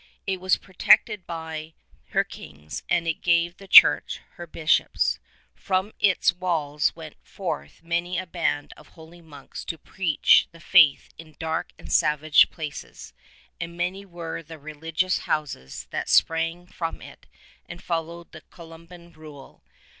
It was protected by her kings, and it gave the Church her bishops. From its walls went forth many a band of holy monks to preach the faith in dark and savage places, and many were the religious houses that sprang from it and followed the Columban Rule.